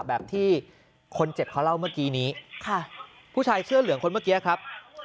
แบบที่คนเจ็บเขาเล่าเมื่อกี้นี้ค่ะผู้ชายเสื้อเหลืองคนเมื่อกี้ครับ